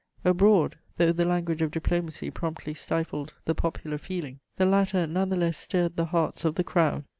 Abroad, though the language of diplomacy promptly stifled the popular feeling, the latter none the less stirred the hearts of the crowd.